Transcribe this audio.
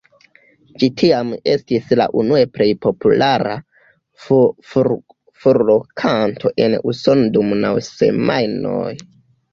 Ĝi tiam estis la unue plej populara furorkanto en Usono dum naŭ semajnoj.